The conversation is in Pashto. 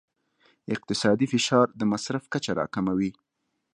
اقتصادي فشار د مصرف کچه راکموي.